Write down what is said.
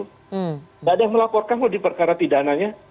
tidak ada yang melaporkan kalau diperkara pidananya